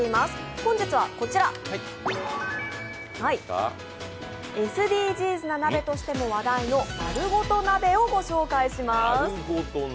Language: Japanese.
本日はこちら、ＳＤＧｓな鍋としても話題のまるごと鍋を御紹介します。